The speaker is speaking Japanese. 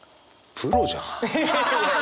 プロじゃん！